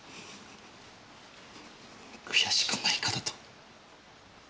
悔しくないかだと？